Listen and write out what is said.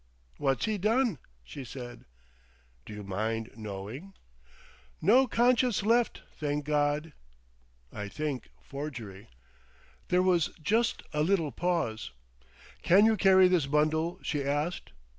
"What's he done?" she said. "D'you mind knowing?" "No conscience left, thank God!" "I think—forgery!" There was just a little pause. "Can you carry this bundle?" she asked.